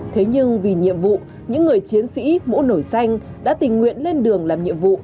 thế nhưng vì nhiệm vụ những người chiến sĩ mũ nổi xanh đã tình nguyện lên đường làm nhiệm vụ